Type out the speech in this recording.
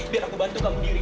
biar aku bantu kamu diri